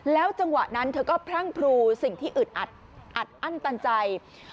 จังหวะนั้นเธอก็พรั่งพรูสิ่งที่อึดอัดอั้นตันใจ